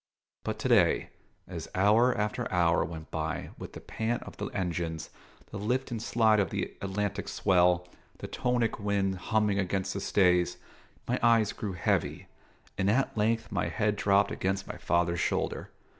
But to day, as hour after hour went by with the pant of the engines, the lift and slide of the Atlantic swell, the tonic wind humming against the stays, my eyes grew heavy, and at length my head dropped against my father's shoulder.